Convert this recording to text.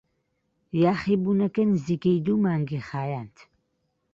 یاخیبوونەکە نزیکەی دوو مانگی خایاند.